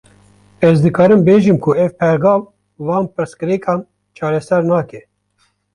Ez dikarim bêjim ku ev pergal, van pirsgirêkan çareser nake